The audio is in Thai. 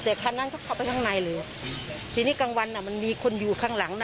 แต่คันนั้นก็เข้าไปข้างในเลยทีนี้กลางวันอ่ะมันมีคนอยู่ข้างหลังน่ะ